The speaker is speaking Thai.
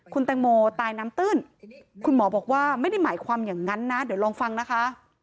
คุณแตงโมตายน้ำตื้นคุณหมอบอกว่าไม่ได้หมายความอย่างนั้นนะเดี๋ยวลองฟังนะคะ